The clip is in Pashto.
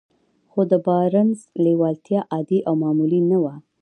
خو د بارنس لېوالتیا عادي او معمولي نه وه.